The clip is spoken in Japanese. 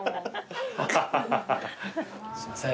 すいません。